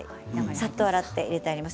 さっと洗って入れてあります。